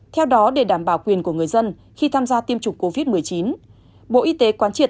theo đó để đảm bảo quyền của người dân khi tham gia tiêm chủng covid một mươi chín bộ y tế quán triệt